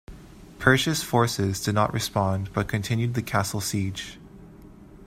Perche's forces did not respond, but continued the castle siege.